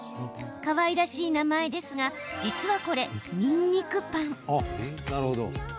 かわいらしい名前ですが実はこれ、にんにくパン。